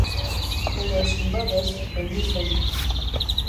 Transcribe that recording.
Edo Sinbad ez, behinik behin.